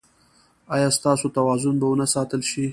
ایا ستاسو توازن به و نه ساتل شي؟